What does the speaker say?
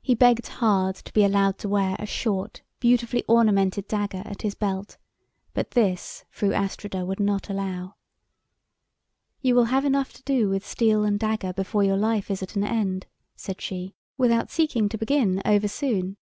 He begged hard to be allowed to wear a short, beautifully ornamented dagger at his belt, but this Fru Astrida would not allow. "You will have enough to do with steel and dagger before your life is at an end," said she, "without seeking to begin over soon."